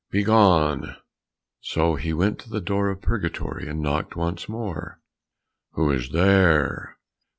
Begone!" So he went to the door of Purgatory, and knocked once more. "Who is there?"